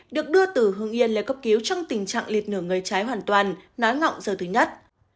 được đưa từ hương yên lấy cấp cứu trong tình trạng liệt nửa người trái hoàn toàn nói ngọng giờ thứ nhất